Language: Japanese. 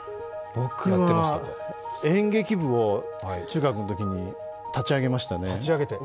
僕は演劇部を中学のときに立ち上げましたね。